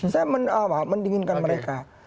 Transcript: saya mendinginkan mereka